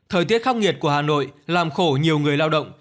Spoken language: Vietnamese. thời tiết khắc nghiệt của hà nội làm khổ nhiều người lao động